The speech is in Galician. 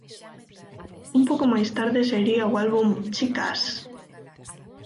Un pouco máis tarde sairía o álbum "Chicas!